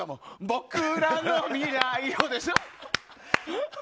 僕らの未来をでしょ？